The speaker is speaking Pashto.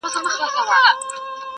• له رقیبانو به یې پټه تر نګاره څارې -